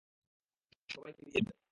সবাইকে ফিরিয়ে দেব।